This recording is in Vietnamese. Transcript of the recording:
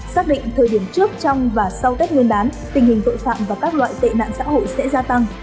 xác định thời điểm trước trong và sau tết nguyên đán tình hình tội phạm và các loại tệ nạn xã hội sẽ gia tăng